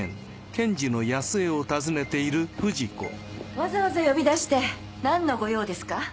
わざわざ呼び出して何の御用ですか？